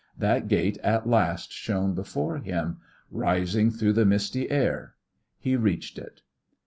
That gate at last shone before him, rising through the misty air. He reached it.